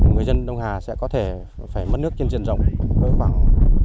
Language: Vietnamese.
người dân đông hà sẽ có thể phải mất nước trên diện rộng với khoảng bảy mươi